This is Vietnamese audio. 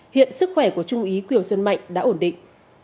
hiện sức khỏe của trung úy kiều xuân mạnh đã ổn định